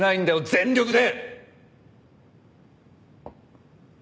全力で！